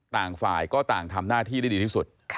ต่างฝ่ายก็ต่างทำหน้าที่ได้ดีที่สุด